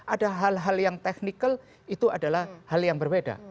ada hal hal yang technical itu adalah hal yang berbeda